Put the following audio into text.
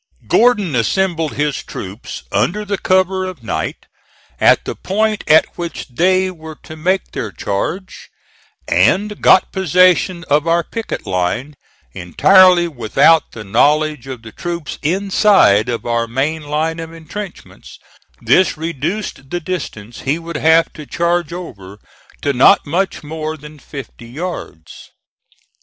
Gordon assembled his troops under the cover of night, at the point at which they were to make their charge, and got possession of our picket line, entirely without the knowledge of the troops inside of our main line of intrenchments; this reduced the distance he would have to charge over to not much more than fifty yards.